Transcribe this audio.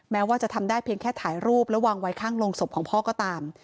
ว่าจะทำได้เพียงแค่ถ่ายรูปและวางไว้ข้างโรงศพของพ่อก็ตาม